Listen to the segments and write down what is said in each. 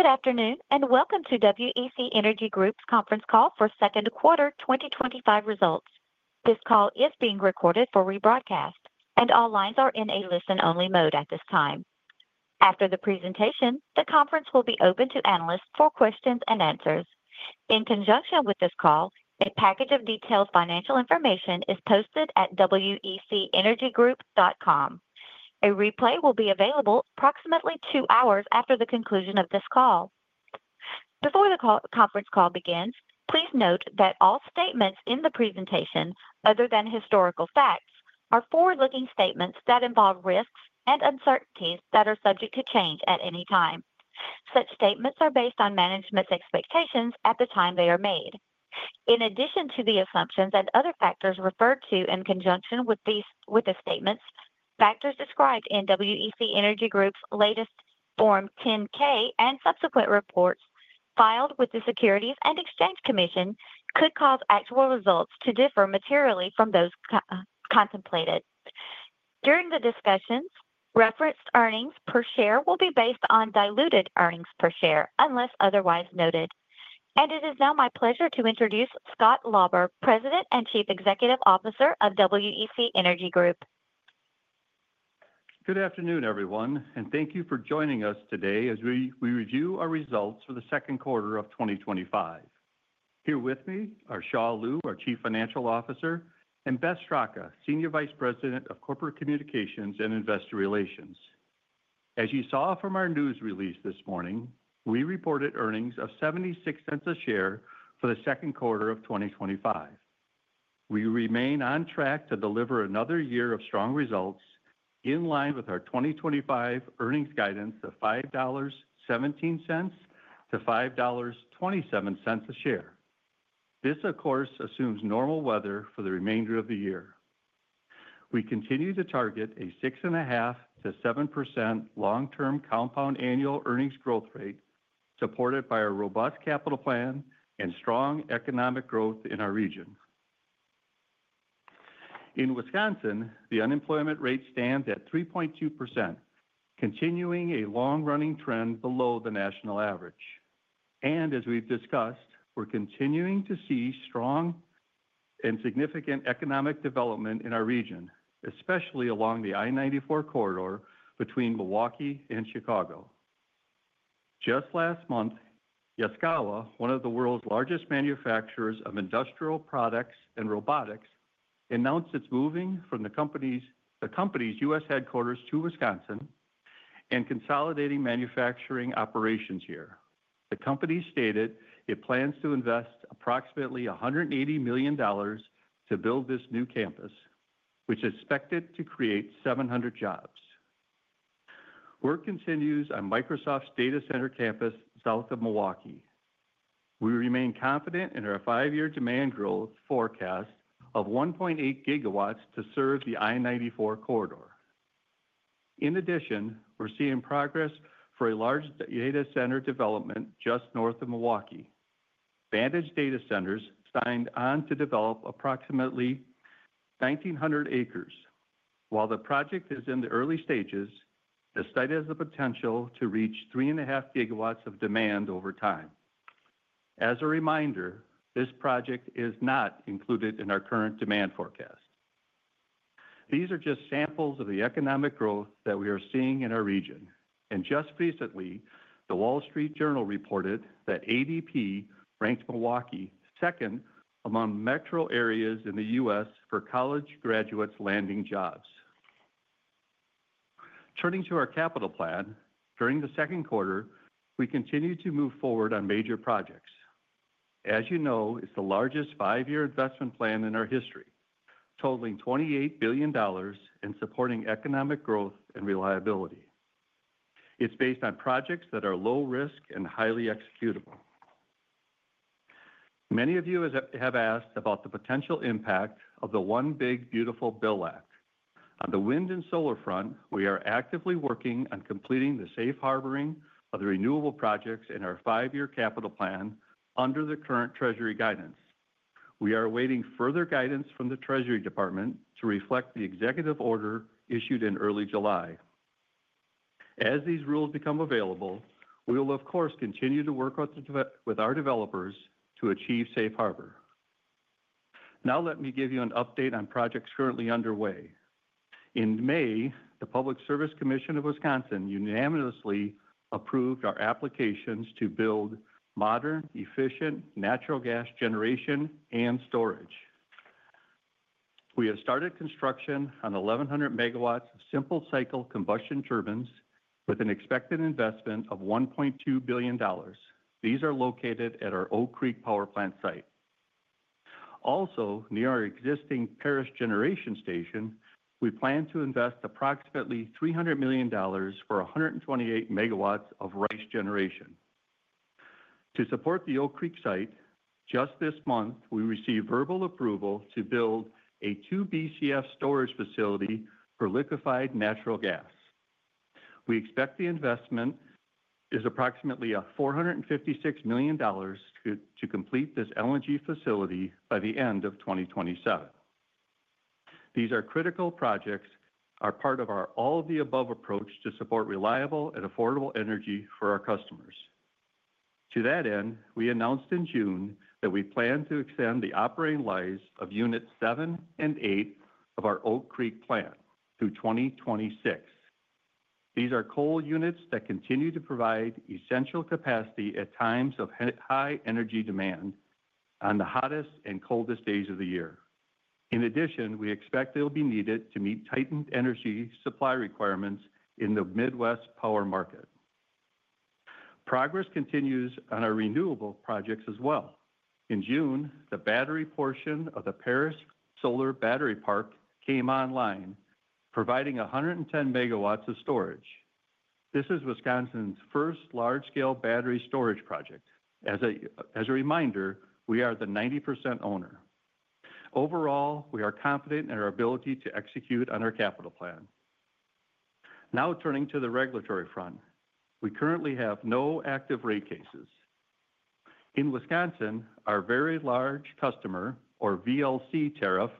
Good afternoon and welcome to WEC Energy Group's conference call for second quarter 2025 results. This call is being recorded for rebroadcast and all lines are in a listen only mode at this time. After the presentation, the conference will be open to analysts for questions and answers. In conjunction with this call, a package of detailed financial information is posted at wecenergygroup.com. A replay will be available approximately two hours after the conclusion of this call. Before the conference call begins, please note that all statements in the presentation other than historical facts are forward-looking statements that involve risks and uncertainties that are subject to change at any time. Such statements are based on management's expectations at the time they are made, in addition to the assumptions and other factors referred to. In conjunction with the statements, factors described in WEC Energy Group's latest Form 10-K and subsequent reports filed with the Securities and Exchange Commission could cause actual results to differ materially from those contemplated during the discussions referenced. Earnings per share will be based on diluted earnings per share unless otherwise noted and it is now my pleasure to introduce Scott Lauber, President and Chief Executive Officer of WEC Energy Group. Good afternoon everyone and thank you for joining us today as we review our results for the second quarter of 2025. Here with me are Xia Liu, our Chief Financial Officer, and Beth Straka, Senior Vice President of Corporate Communications and Investor Relations. As you saw from our news release this morning, we reported earnings of $0.76 a share for the second quarter of 2025. We remain on track to deliver another year of strong results in line with our 2025 earnings guidance of $5.17-$5.27 a share. This of course assumes normal weather for the remainder of the year. We continue to target a 6.5%-7% long term compound annual earnings growth rate supported by a robust capital plan and strong economic growth in our region. In Wisconsin, the unemployment rate stands at 3.2%, continuing a long running trend below the national average. As we've discussed, we're continuing to see strong and significant economic development in our region, especially along the I-94 corridor between Milwaukee and Chicago. Just last month, Yaskawa, one of the world's largest manufacturers of industrial products and robotics, announced it is moving from the company's U.S. headquarters to Wisconsin and consolidating manufacturing operations here. The company stated it plans to invest approximately $180 million to build this new campus which is expected to create 700 jobs. Work continues on Microsoft's data center campus south of Milwaukee. We remain confident in our five year demand growth forecast of 1.8 GW to serve the I-94 corridor. In addition, we're seeing progress for a large data center development just north of Milwaukee. Vantage Data Centers signed on to develop approximately 1,900 acres. While the project is in the early stages, the site has the potential to reach 3.5 GW of demand over time. As a reminder, this project is not. Included in our current demand forecast. These are just samples of the economic growth that we are seeing in our region. Just recently the Wall Street Journal reported that ADP ranked Milwaukee second among metro areas in the U.S. for college graduates landing jobs. Turning to our Capital Plan, during the second quarter, we continue to move forward on major projects. As you know, it's the largest five-year investment plan in our history, totaling $28 billion and supporting economic growth and reliability. It's based on projects that are low risk and highly executable. Many of you have asked about the potential impact of the One Big Beautiful Bill Act on the wind and solar front. We are actively working on completing the safe harboring of the renewable projects in our five-year Capital Plan under the current Treasury guidance. We are awaiting further guidance from the Treasury Department to reflect the executive order issued in early July. As these rules become available, we will of course continue to work with our developers to achieve safe harbor. Now let me give you an update on projects currently underway. In May, the Public Service Commission of Wisconsin unanimously approved our applications to build modern, efficient natural gas generation and storage. We have started construction on 1,100 MW simple cycle combustion turbines with an expected investment of $1.2 billion. These are located at our Oak Creek Power Plant site, also near our existing Paris generation station. We plan to invest approximately $300 million for 128 MW of RICE generation to support the Oak Creek site. Just this month we received verbal approval to build a 2 BCF storage facility for liquefied natural gas. We expect the investment is approximately $456 million to complete this LNG facility by the end of 2027. These are critical projects as part of our all of the above approach to support reliable and affordable energy for our customers. To that end, we announced in June that we plan to extend the operating lives of unit 7 and 8 of our Oak Creek plant through 2026. These are coal units that continue to provide essential capacity at times of high energy demand on the hottest and coldest days of the year. In addition, we expect they'll be needed to meet tightened energy supply requirements in the Midwest power market. Progress continues on our renewable projects as well. In June, the battery portion of the Paris Solar Battery Park came online, providing 110 MW of storage. This is Wisconsin's first large scale battery storage project. As a reminder, we are the 90% owner overall. We are confident in our ability to execute on our capital plan. Now turning to the regulatory front, we currently have no active rate cases in Wisconsin. Our very large customer or VLC tariff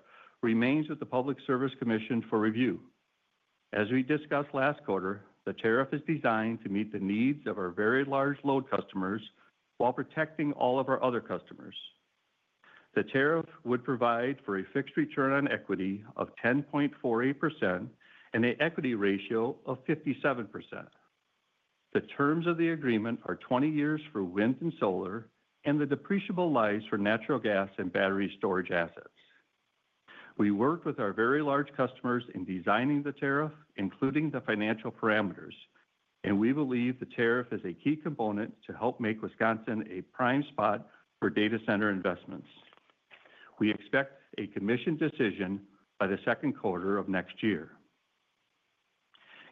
remains at the Public Service Commission for review. As we discussed last quarter, the tariff is designed to meet the needs of our very large load customers while protecting all of our other customers. The tariff would provide for a fixed return on equity of 10.48% and an equity ratio of 57%. The terms of the agreement are 20 years for wind and solar and the depreciable lives for natural gas and battery storage assets. We worked with our very large customers in designing the tariff, including the financial parameters, and we believe the tariff is a key component to help make Wisconsin a prime spot for data center investments. We expect a commission decision by the second quarter of next year.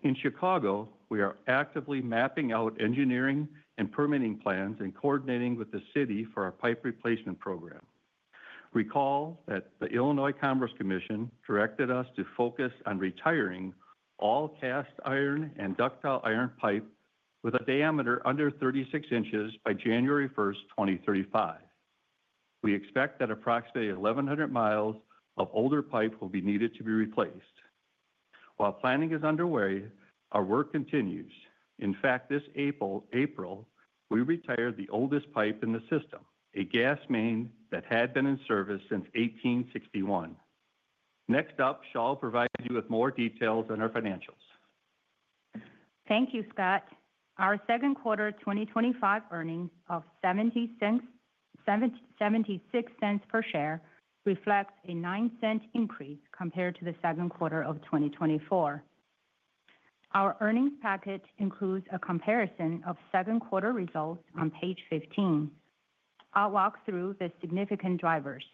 In Chicago, we are actively mapping out engineering and permitting plans and coordinating with the city for our pipe replacement program. Recall that the Illinois Commerce Commission directed us to focus on retiring all cast iron and ductile iron pipe with a diameter under 36 inches by January 1st, 2035. We expect that approximately 1,100 miles of older pipe will need to be replaced. While planning is underway, our work continues. In fact, this April we retired the oldest pipe in the system, a gas main that had been in service since 1861. Next up, Xia provided you with more details on our financials. Thank you, Scott. Our second quarter 2025 earning of $0.76 per share reflects a $0.09 increase compared to the second quarter of 2024. Our earnings packet includes a comparison of second quarter results on page 15. I'll walk through the significant drivers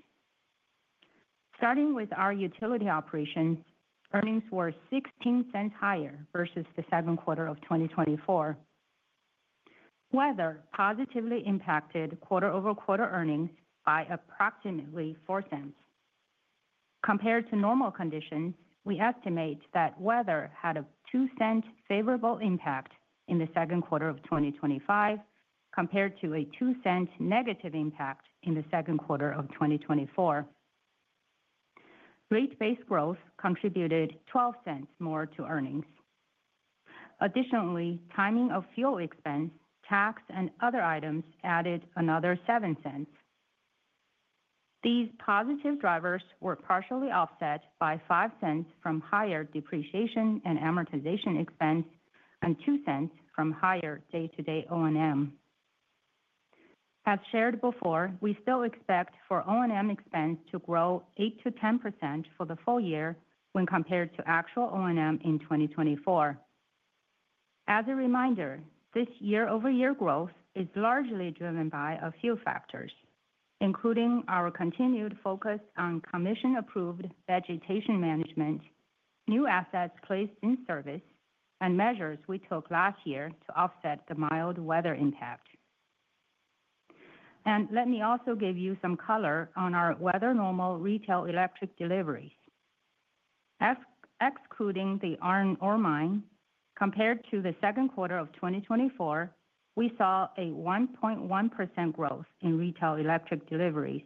starting with our utility operations. Earnings were $0.16 higher versus the second quarter of 2024. Weather positively impacted quarter-over-quarter earnings by approximately $0.04 compared to normal conditions. We estimate that weather had a $0.02 favorable impact in the second quarter of 2025 compared to a $0.02 negative impact in the second quarter of 2024. Rate base growth contributed $0.12 more to earnings. Additionally, timing of fuel expense, tax, and other items added another $0.07. These positive drivers were partially offset by $0.05 from higher depreciation and amortization expense and $0.02 from higher day to day O&M as shared before. We still expect O&M expense to grow 8%-10% for the full year when compared to actual O&M in 2024. As a reminder, this year-over-year growth is largely driven by a few factors including our continued focus on commission approved vegetation management, new assets placed in service, and measures we took last year to offset the mild weather impact. Let me also give you some color on our weather normal retail electric deliveries. Excluding the iron ore mine, compared to the second quarter of 2024, we saw a 1.1% growth in retail electric deliveries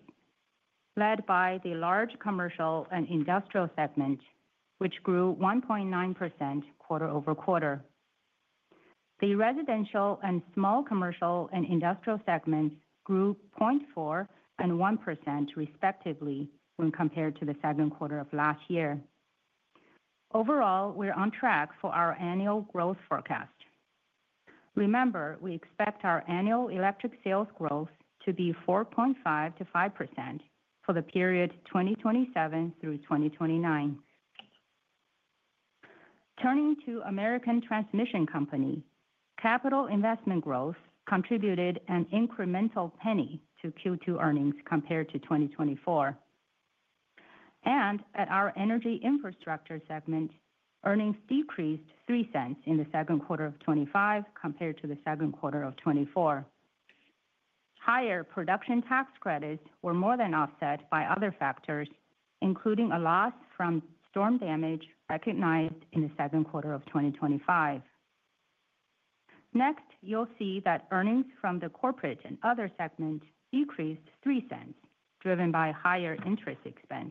led by the large commercial and industrial segment, which grew 1.9% quarter-over-quarter. The residential and small commercial and industrial segments grew 0.4% and 1% respectively when compared to the second quarter of last year. Overall, we're on track for our annual growth forecast. Remember, we expect our annual electric sales growth to be 4.5%-5% for the period 2027 through 2029. Turning to American Transmission Company, capital investment growth contributed an incremental penny to Q2 earnings compared to 2024. At our Energy Infrastructure segment, earnings decreased $0.03 in 2Q25 compared to 2Q24. Higher production tax credits were more than offset by other factors including a loss from storm damage recognized in the second quarter of 2025. Next, you'll see that earnings from the corporate and other segments decreased $0.03 driven by higher interest expense.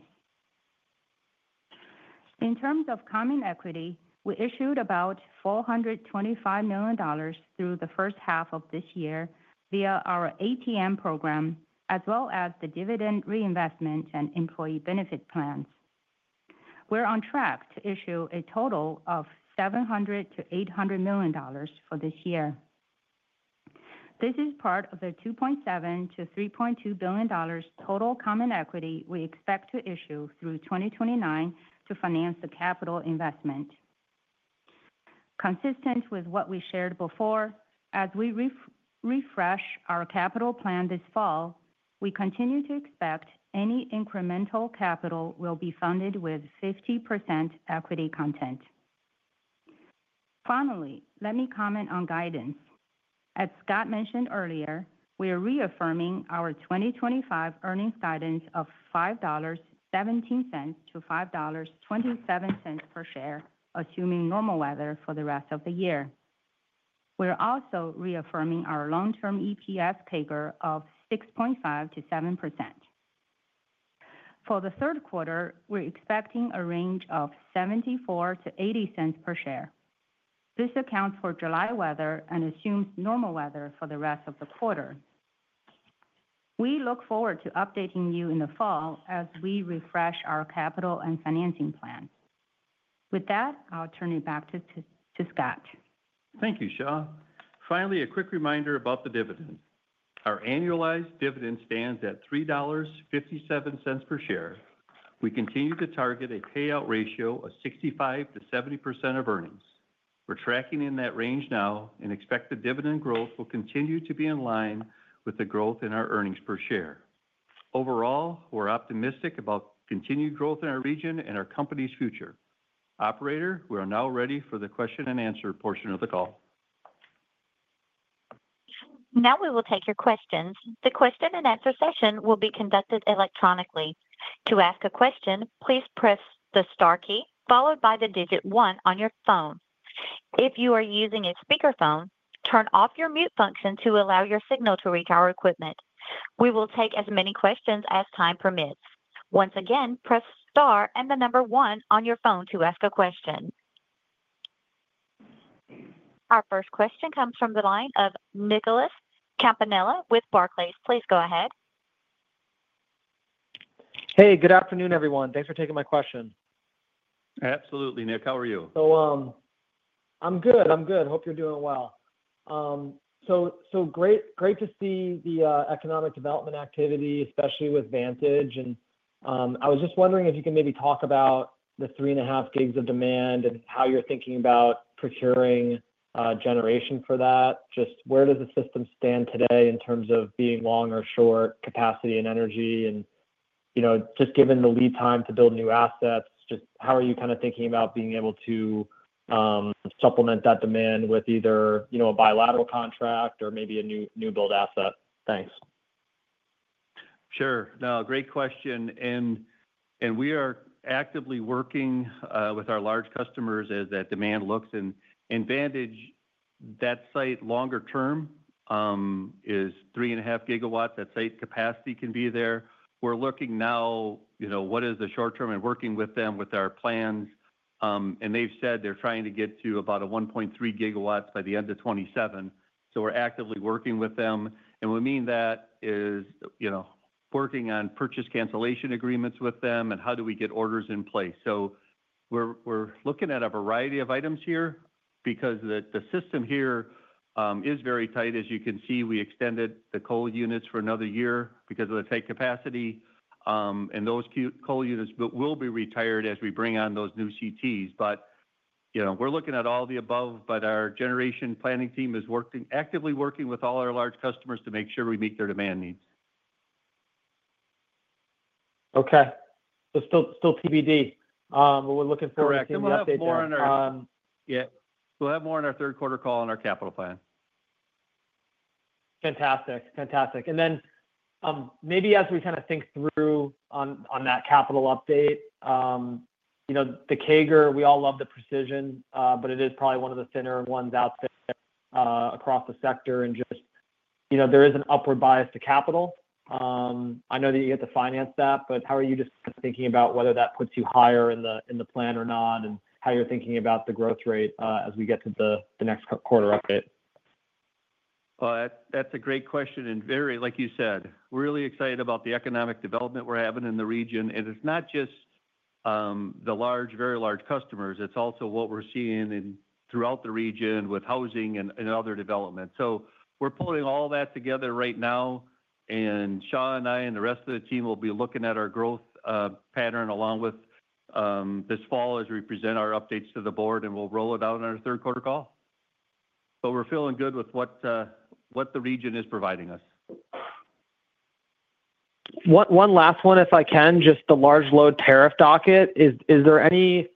In terms of common equity, we issued about $425 million through the first half of this year via our ATM program as well as the dividend reinvestment and employee benefit plans. We're on track to issue a total of $700 million-$800 million for this year. This is part of the $2.7 billion-$3.2 billion total common equity we expect to issue through 2029 to finance the capital investment consistent with what we shared before. As we refresh our capital plan this fall, we continue to expect any incremental capital will be funded with 50% equity content. Finally, let me comment on guidance. As Scott mentioned earlier, we are reaffirming our 2025 earnings guidance of $5.17-$5.27 per share, assuming normal weather for the rest of the year. We're also reaffirming our long term EPS CAGR of 6.5%-7%. For the third quarter, we're expecting a range of $0.74-$0.80 per share. This accounts for July weather and assumes normal weather for the rest of the quarter. We look forward to updating you in the fall as we refresh our capital and financing plan. With that, I'll turn it back to Scott. Thank you, Xia. Finally, a quick reminder about the dividend. Our annualized dividend stands at $3.57 per share. We continue to target a payout ratio of 65%-70% of earnings. We're tracking in that range now. Expect the dividend growth will continue. Be in line with the growth in. Our earnings per share. Overall. We're optimistic about continued growth in our region and our company's future. Operator we are now ready for the question and answer portion of the call. Now we will take your questions. The question and answer session will be conducted electronically. To ask a question, please press the star key followed by the digit one on your phone. If you are using a speakerphone, turn off your mute function to allow your signal to reach our equipment. We will take as many questions as time permits. Once again, press star and the number one on your phone to ask a question. Our first question comes from the line of Nicholas Campanella with Barclays. Please go ahead. Hey, good afternoon everyone. Thanks for taking my question. Absolutely. Nic, how are you? I'm good, I'm good. Hope you're doing well. Great to see the economic development activity, especially with Vantage. I was just wondering if you can maybe talk about the three and a half gigs of demand and how you're thinking about procuring generation for that. Just where does the system stand today in terms of being long or short capacity and energy, and you know, just given the lead time to build new assets, how are you kind of thinking about being able to supplement that demand with either, you know, a bilateral contract or maybe a new build asset? Thanks. Sure. Now, great question. We are actively working with. Our large customers as that demand looks. Vantage, that site longer term is 3.5 GW. That site capacity can be there. We're looking now, you know, what is. The short term and working with them. With our plans and they've said they're trying to get to about 1.3 GW by the end of 2027. We are actively working with them and we mean that is, you know, working. On purchase cancellation agreements with them. How do we get orders in place? We're looking at a variety of items here because the system here is very tight. As you can see, we extended the. Coal units for another year because of the tight capacity and those coal units. Will be retired as we bring on those new CTs. You know, we're looking at all. Our generation planning team is actively working with all our large customers to make sure we meet their demand needs. Okay, still tbd, but we're looking for more. Yeah, we'll have more in our third quarter call on our capital plan. Fantastic. Fantastic. Maybe as we kind of think through on that capital update, you know, the CAGR, we all love the precision, but it is probably one of the thinner ones out there across the sector. Just, you know, there is an upward bias to capital. I know that you have to finance that, but how are you just thinking about whether that puts you higher in the plan or not and how you're thinking about the growth rate as we get to the next quarter update? That's a great question and very like. You said, really excited about the economic development we're having in the region. It's not just the large, very large customers. It's also what we're seeing throughout the. Region with housing and other development. We are pulling all that together right now. Xia and I and the rest. Of the team will be looking at our growth pattern along with this fall. As we present our updates to the. Board and we'll roll it out on our third quarter call. We're feeling good with what, what. The region is providing us. One last one, if I can, just the large load tariff docket, is there any,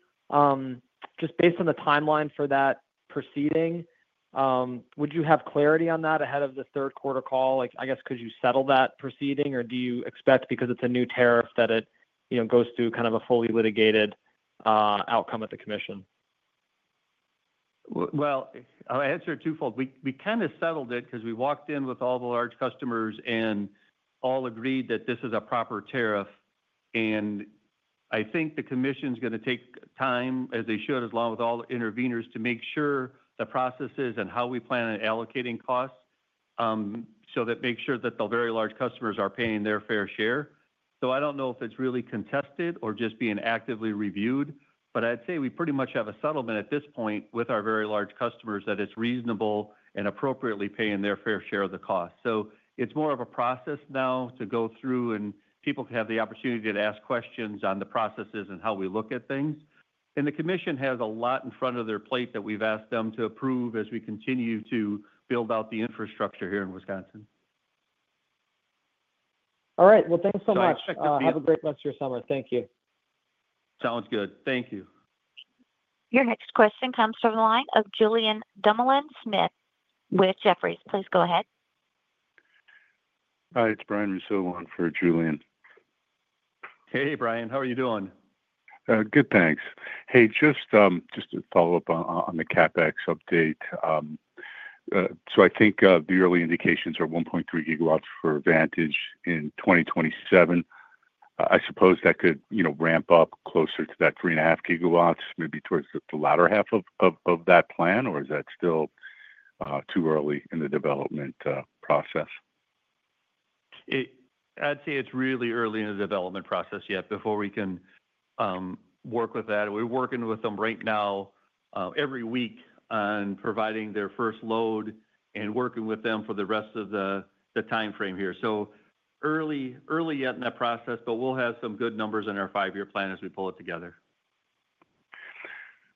just based on the timeline for that proceeding, would you have clarity on that ahead of the third quarter call? Like, I guess, could you settle that proceeding or do you expect because it's a new tariff that it, you know, goes through kind of a fully litigated outcome at the commission? I'll answer it two fold. We kind of settled it because we walked in with all the large customers and all agreed that this is a proper tariff. I think the commission's going to take time, as they should, along with all intervenors, to make sure the processes. How we plan on allocating costs. That makes sure that the very large customers are paying their fair share. I don't know if it's really contested or just being actively reviewed, but. I'd say we pretty much have a. Settlement at this point with our very. Large customers that it's reasonable and appropriately paying their fair share of the cost. It's more of a process now to go through and people have the. Opportunity to ask questions on the processes. How we look at things. The commission has a lot in front of their plate that we've asked. Them to approve as we continue to build out the infrastructure here in Wisconsin. All right, thanks so much. Have a great rest of your summer. Thank you. Sounds good. Thank you. Your next question comes from the line of Julian Dumalon Smith with Jefferies. Please go ahead. Hi, it's Brian Russo on for Julian. Hey, Brian, how are you doing? Good, thanks. Hey, just to follow up on the CapEx update, I think the early indications are 1.3 GW for Vantage in 2027. I suppose that could ramp up closer to that 3.5 GW maybe towards the latter half of that plan. Or is that still too early in the development process? I'd say it's really early in the. Development process yet before we can work with that. We're working with them right now every week on providing their first load and working with them for the rest of the timeframe here. Early, early yet in that process. We'll have some good numbers in our five year plan as we pull it together.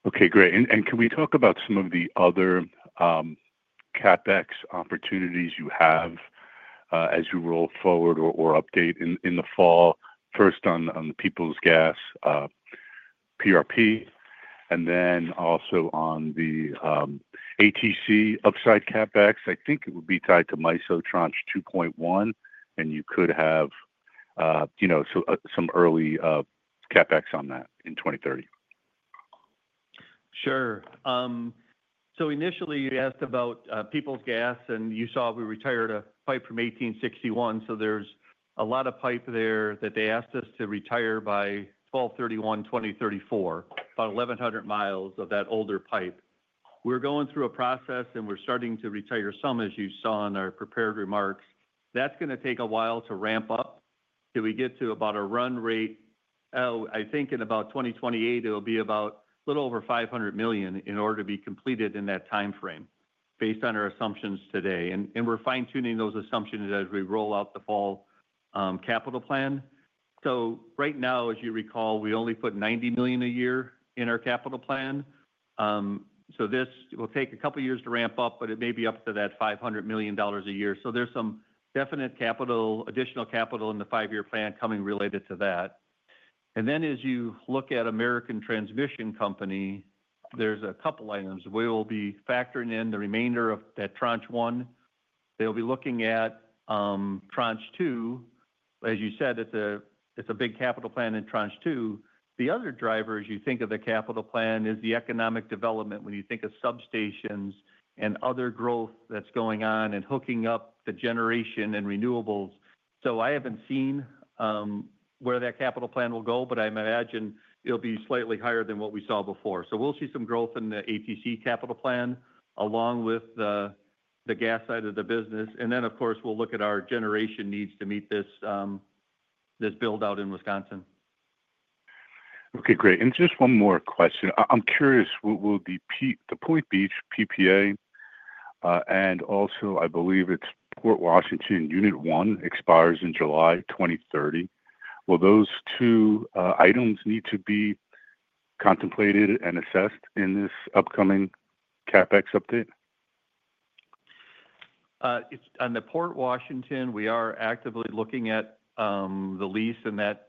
Okay, great. Can we talk about some of the other CapEx opportunities you have as you roll forward or update in the fall? First on the Peoples Gas PRP and then also on the ATC upside CapEx. I think it would be tied to MISO tranche 2.1, and you could have, you know, some early CapEx that in 2030. Sure. Initially you asked about Peoples Gas. You saw we retired a pipe from 1861. There is a lot of pipe there that they asked us to retire by. 1231, 2034, about 1,100 miles of that older pipe. We're going through a process and we're starting to retire some as you saw. In our prepared remarks. That's going to take a while to ramp up till we get to about a run rate. I think in about 2028 it'll be about a little over $500 million in order to be completed in that timeframe based on our assumptions today. We're fine tuning those assumptions as. We roll out the fall capital plan. Right now, as you recall, we only put $90 million a year in our capital plan. This will take a couple years. To ramp up, but it may be up to that $500 million a year. There is some definite additional capital in the five year plan coming related to that. As you look at American Transmission Company, there's a couple items we. Will be factoring in the remainder of that tranche one, they'll be looking at tranche two, as you said, it's a. It's a big capital plan in tranche two. The other driver as you think of the capital plan is the economic development. When you think of substations and other. Growth that's going on and hooking up the generation and renewables. I haven't seen where that capital plan will go, but I imagine it'll. Be slightly higher than what we saw before. We'll see some growth in the. ATC capital plan along with the gas side of the business. Of course we'll look at our generation needs to meet this build out in Wisconsin. Okay, great. Just one more question, I'm curious. Will the PB PPA and also I believe it's Port Washington unit one expires in July 2030. Will those two items need to be contemplated and assessed in this upcoming CapEx. Update on the Port Washington. We are actively looking at the lease and that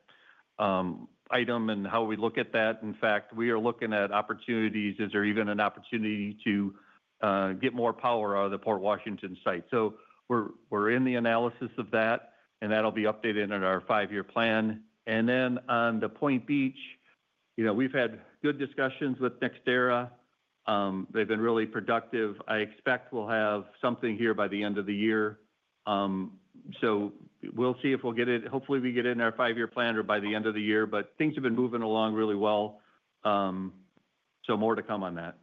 item and how we look at that. In fact, we are looking at opportunities. Is there even an opportunity to get? More power out of the Port Washington site? We're in the analysis of that and that'll be updated in our five year plan. And then on the Point Beach, you. Know we've had good discussions with NextEra. They've been really productive. I expect we'll have something here by the end of the year. We'll see if we'll get it. Hopefully we get in our five year plan or by the end of the year. Things have been moving along really well. More to come on that.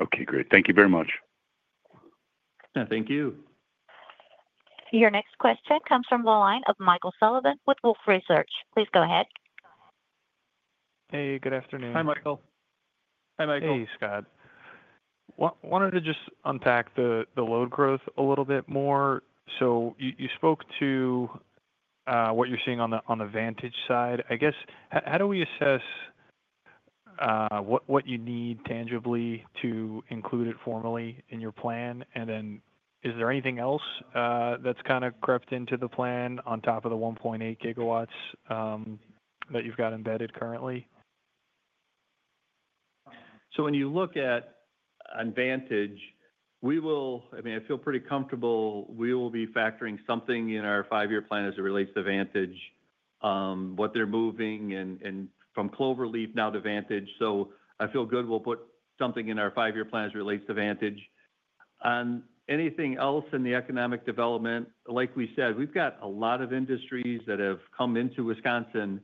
Okay, great. Thank you very much. Thank you. Your next question comes from the line of Michael Sullivan with Wolfe Research. Please go ahead. Hey, good afternoon. Hi Michael. Hey Scott, wanted to just unpack the load growth a little bit more. You spoke to what you're seeing on the, on the Vantage side. I guess how do we assess what you need tangibly to include it formally in your plan? Is there anything else that's kind of crept into the plan on top of the 1.8 GW that you've got embedded currently? When you look at advantage, we. I mean I feel pretty comfortable we will be factoring something in our five year plan as it relates to Vantage, what they're moving and from Cloverleaf now to Vantage. I feel good we'll put something in our five year plan as it relates to Vantage. On anything else in the economic development, like we said, we've got a lot of industries that have come into Wisconsin.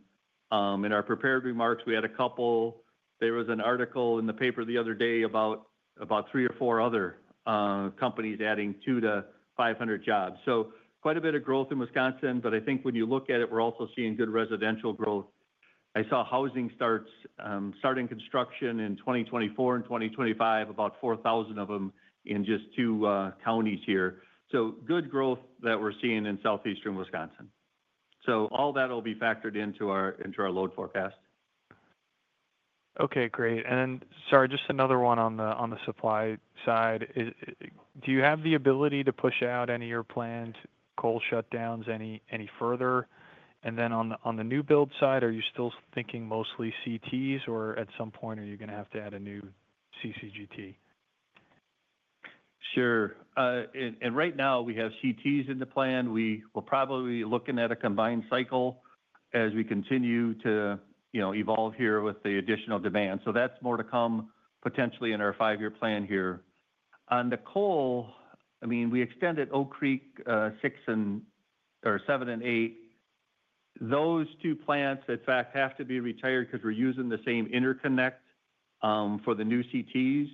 In our prepared remarks we had a couple. There was an article in the paper the other day about three or four other companies adding 200-500 jobs. Quite a bit of growth in Wisconsin. I think when you look at. It, we're also seeing good residential growth. I saw housing starts starting construction in 2024 and 2025, about 4,000 of them in just two counties here. Good growth that we're seeing in southeastern Wisconsin. All that will be factored in. Our, into our load forecast. Okay, great. Sorry, just another one. On the supply side, do you have the ability to push out any of your planned coal shutdowns any further? On the new build side, are you still thinking mostly CTs or at some point are you going to have to add a new CCGT? Sure. Right now we have CTs in the plan. We will probably be looking at a combined cycle as we continue to, you know, evolve here with the additional demand. That's more to come potentially in our five year plan. Here on the coal, I mean we extended Oak Creek. 6 and or 7 and 8. Those two plants in fact have to. Be retired because we're using the same. Interconnect for the new CTs.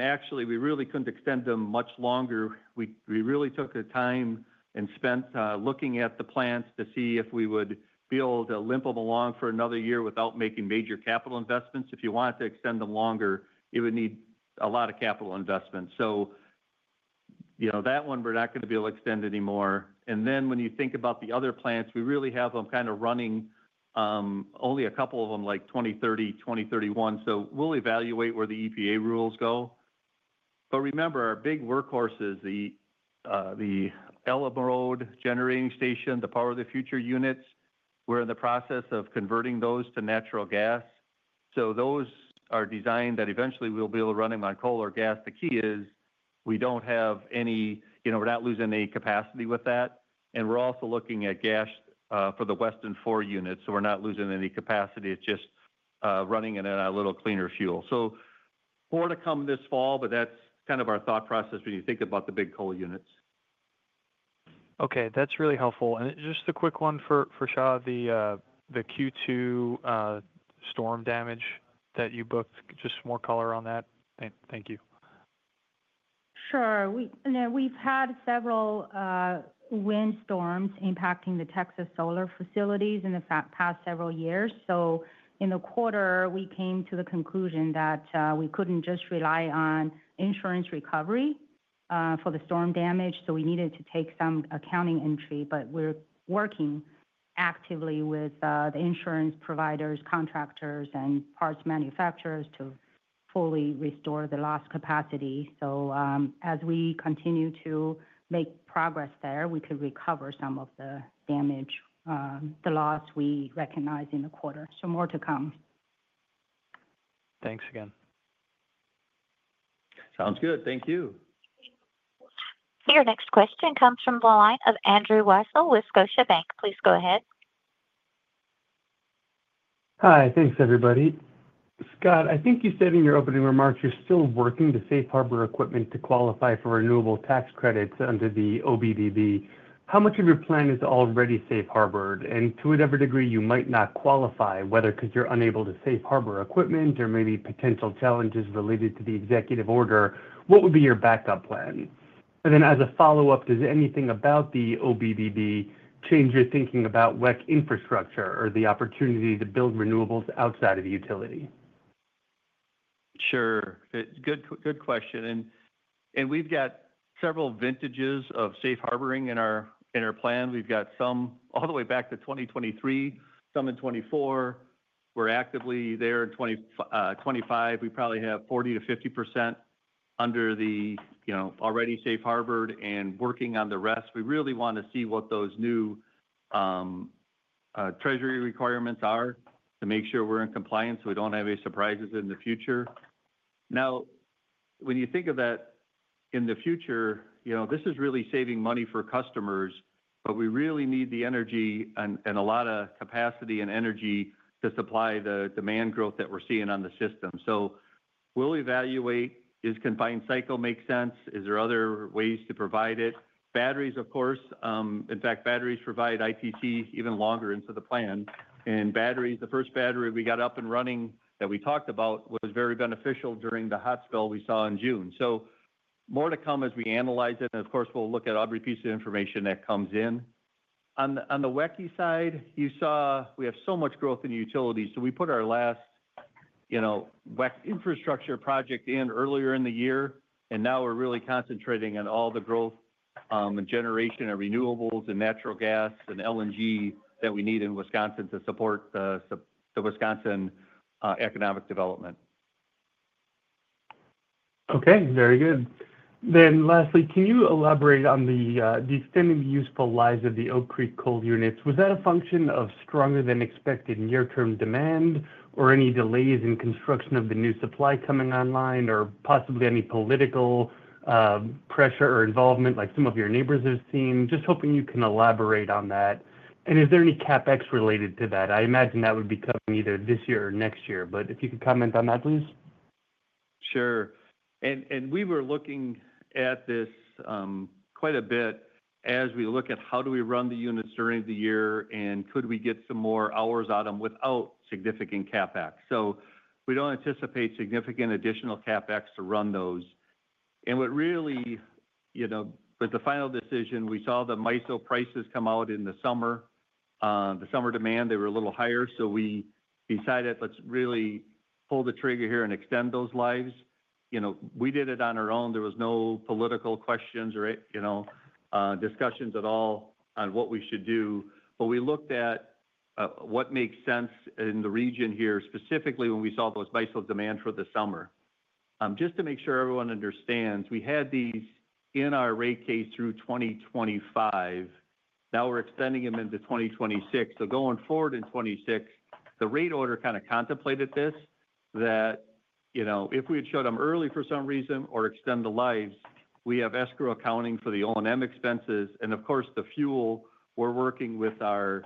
Actually, we really could not extend them much longer. We really took the time and spent looking at the plants to see if we would build or limp them along for another year without making major capital investments. If you want to extend them longer, it would need a lot of capital investment. You know, that one we are not going to be able to extend anymore. When you think about the other plants, we really have them kind of running only a couple of them like 2030, 2031. We will evaluate where the EPA rules go. Remember our big workhorses, the Elm Road Generating Station, the power of the future units, we're in the process. Of converting those to natural gas. Those are designed that eventually we'll. Be able to run them on coal or gas. The key is we don't have any, you know, we're not losing any capacity with that. We're also looking at gas for. The Weston 4 units. We're not losing any capacity, it's just running in a little cleaner fuel. More to come this fall. That's kind of our thought process. When you think about the big coal units. Okay, that's really helpful. Just a quick one for Xia, the Q2 storm damage that you booked. Just more color on that. Thank you. Sure. We've had several windstorms impacting the Texas solar facilities in the past several years. In the quarter we came to the conclusion that we couldn't just rely on insurance recovery for the storm damage. We needed to take some accounting entry. We're working actively with the insurance providers, contractors and parts manufacturers to fully restore the lost capacity. As we continue to make progress there, we could recover some of the damage, the loss we recognized in the quarter. More to come. Thanks again. Sounds good. Thank you. Your next question comes from the line of Andrew Wiesel with Scotiabank. Please go ahead. Hi. Thanks everybody. Scott, I think you said in your opening remarks, you're still working to safe harbor equipment to qualify for renewable tax credits under the OBBB. How much of your plan is already safe harbored? To whatever degree you might not qualify, whether because you're unable to safe harbor equipment or maybe potential challenges related to the executive order, what would be your backup plan? As a follow up, does anything about the OBBB change your thinking about WEC Infrastructure or the opportunity to build renewables outside of the utility? Sure, good question. We've got several vintages of safe. Harboring in our plan. We've got some all the way back. To 2023, some in 2024. We're actively there in 2025. We probably have 40%-50% under. The, you know, already safe harbor and working on the rest. We really want to see what those new. Treasury requirements are to make sure we're in compliance so we don't have. Any surprises in the future? Now when you think of that in. The future, you know, this is really saving money for customers, but we really. Need the energy and a lot of capacity and energy to supply the demand. Growth that we're seeing on the system. We'll evaluate if combined cycle makes sense. Is there other ways to provide it? Batteries, of course. In fact, batteries provide IPC even longer into the plan. Batteries, the first battery we got. Up and running that we talked about. Was very beneficial during the hot spell we saw in June. More to come as we analyze. It, and of course we'll look at. Every piece of information that comes in. On the WECI side, you saw we have so much growth in utilities. So we put our last, you know. WEC Infrastructure project in earlier in the. Year and now we're really concentrating on all the growth and generation of renewables and natural gas and LNG that we need in Wisconsin to support the Wisconsin economic development. Okay, very good then. Lastly, can you elaborate on extending the useful lives of the Oak Creek coal units? Was that a function of stronger than expected near term demand or any delays in construction of the new supply coming online or possibly any political pressure or involvement like some of your neighbors have seen? Just hoping you can elaborate on that. Is there any CapEx related to that? I imagine that would be coming either this year or next year. If you could comment on that please. Sure. We were looking at this quite a bit as we look at how do we run the units during the year and could we get some more hours on them without significant CapEx? We do not anticipate significant additional CapEx to run those. What really, you know, with the. Final decision we saw the MISO prices. Come out in the summer, the summer demand, they were a little higher. So we decided, let's really pull the trigger here and extend those lives. You know, we did it on our own. There was no political questions or, you know, discussions at all on what we should do. But we looked at what makes sense. In the region here specifically when we. Saw those bicycle demand for the summer. Just to make sure everyone understands, we. Had these in our rate case through 2025. Now we're extending them into 2026. Going forward in 2026, the rate. Order kind of contemplated this that you. Know, if we had shut them early for some reason or extend the lives. We have escrow accounting for the on. Them expenses and of course the fuel. We're working with our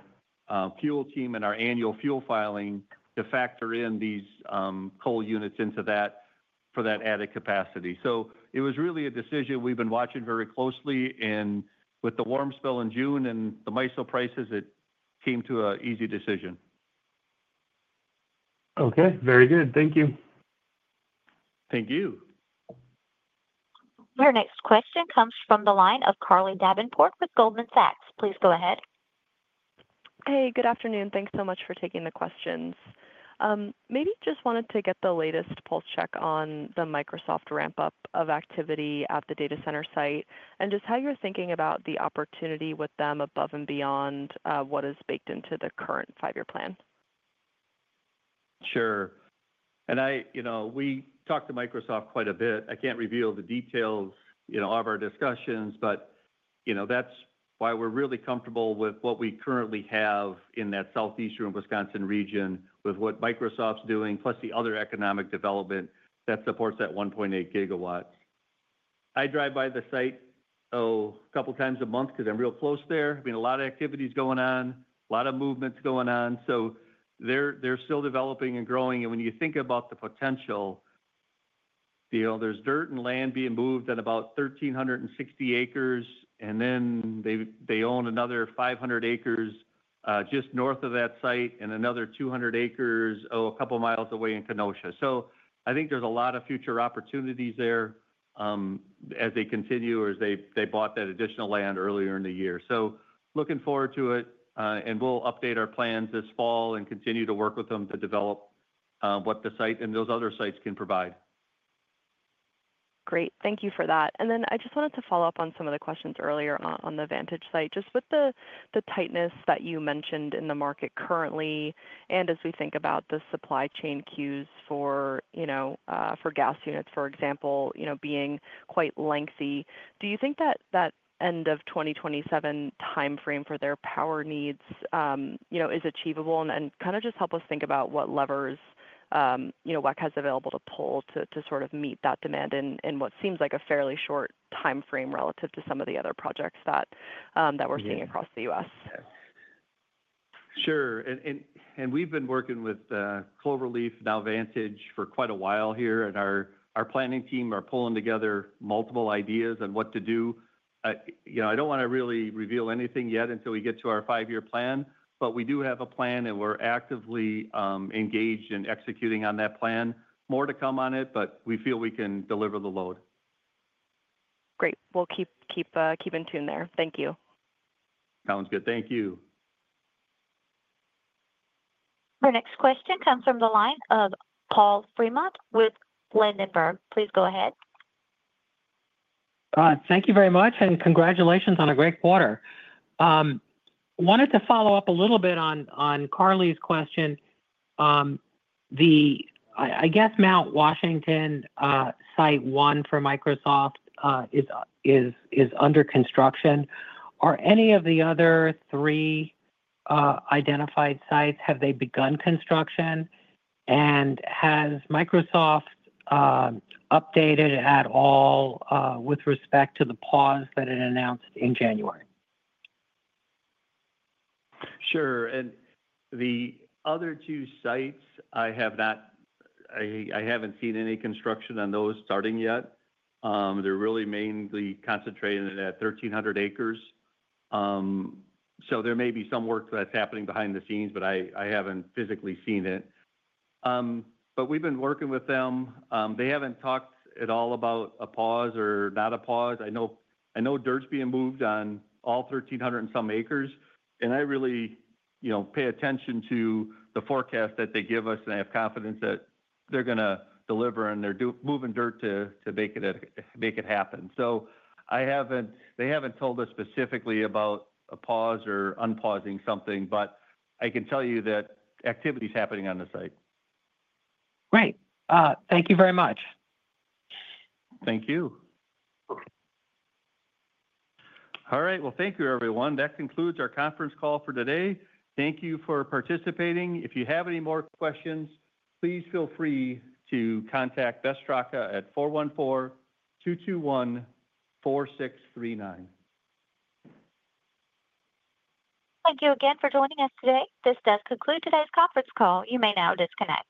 fuel team and our annual fuel filing to factor in these coal units into that for that added capacity. It was really a decision we've been watching very closely. With the warm spill in June and the MISO prices, it came to an easy decision. Okay, very good. Thank you. Thank you. Our next question comes from the line of Carly Davenport with Goldman Sachs. Please go ahead. Hey, good afternoon. Thanks so much for taking the questions. Maybe just wanted to get the latest pulse check on the Microsoft ramp up of activity at the data center site and just how you're thinking about the opportunity with them above and beyond, beyond what is baked into the current five year plan. Sure. I, you know we talked to. Microsoft quite a bit. I can't reveal the details, you know. Of our discussions, but you know that's. Why we're really comfortable with what we currently have in that southeastern Wisconsin region with what Microsoft's doing plus the other economic development that supports that 1.8 GW. I drive by the site a couple. Times a month because I'm real close there. I mean a lot of activities going on, a lot of movements going on. They're still developing and growing. When you think about the potential. is dirt and land being moved at about 1,360 acres and then they own another 500 acres just north of that site and another 200 acres a couple miles away in Kenosha. I think there is a lot of future opportunities there as they continue or as they bought that additional land earlier in the year. I am looking forward to it. We will update our plans this fall and continue to work with them to develop what the site and those other sites can provide. Great, thank you for that. I just wanted to follow up on some of the questions earlier on the Vantage site. Just with the tightness that you mentioned in the market currently and as we think about the supply chain cues for, you know, for gas units, for example, you know, being quite lengthy, do you think that that end of 2027 timeframe for their power needs, you know, is achievable and kind of just help us think about what levers, you know, WEC has available to pull to sort of meet that demand in what seems like a fairly short timeframe relative to some of the other projects that we're seeing across the U.S. Sure. We've been working with Cloverleaf now, Vantage, for quite a while here. Our planning team are pulling together multiple ideas on what to do. You know, I don't want to really reveal anything yet until we get to our five year plan, but we do have a plan and we're actively engaged in executing on that plan. More to come on it, but we feel we can deliver the load. Great. We'll keep in tune there. Thank you. Sounds good. Thank you. Our next question comes from the line of Paul Fremont with Landenberg. Please go ahead. Thank you very much and congratulations on a great quarter. Wanted to follow up a little bit on Carly's question. I guess Mount Washington site one for Microsoft is under construction. Are any of the other three identified sites, have they begun construction and has Microsoft updated at all with respect to the pause that it announced in January? Sure. The other two sites I have. Not, I haven't seen any construction on those starting yet. They're really mainly concentrated at 1,300 acres. There may be some work that's happening behind the scenes, but I haven't physically seen it. We've been working with them. They haven't talked at all about a pause or not a pause. I know dirt's being moved on all 1,300 and some acres, and I really, you know, pay attention to the forecast that they give us. I have confidence that they're going to deliver and they're moving dirt to make it happen. I haven't, they haven't told us specifically about a pause or unpausing something, but I can tell you that activity is happening on the site. Great. Thank you very much. Thank you. All right. Thank you, everyone. That concludes our conference call for today. Thank you for participating. If you have any more questions, please feel free to contact Beth Straka at 414-221-4639. Thank you again for joining us today. This does conclude today's conference call. You may now disconnect.